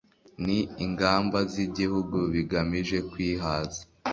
n ingamba z igihugu bigamije kwihaza